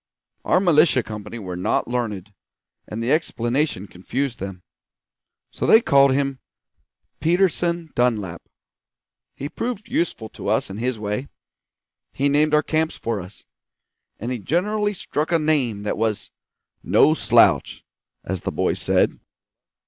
Our militia company were not learned, and the explanation confused them; so they called him Peterson Dunlap. He proved useful to us in his way; he named our camps for us, and he generally struck a name that was 'no slouch,' as the boys said.